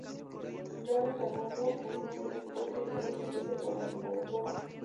Logran calmarlo con un sedante fuerte y luego se ofrece para que la Dra.